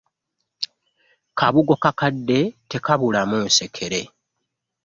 Kabugo kakadde tekabulamu nsekere .